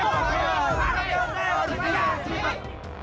tidak ada apa pak